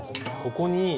ここに。